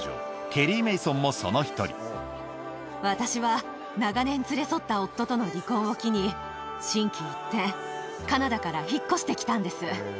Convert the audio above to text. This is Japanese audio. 彼女、私は長年連れ添った夫との離婚を機に、心機一転、カナダから引っ越してきたんです。